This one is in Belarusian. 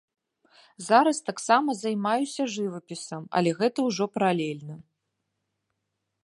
Зараз таксама займаюся жывапісам, але гэта ўжо паралельна.